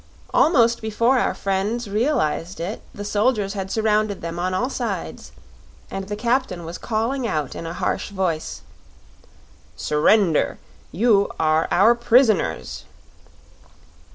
Almost before our friends realized it the soldiers had surrounded them on all sides, and the captain was calling out in a harsh voice: "Surrender! You are our prisoners."